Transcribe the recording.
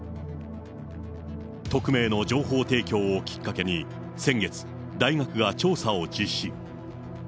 匿名の情報提供をきっかけに、先月、大学が調査を実施。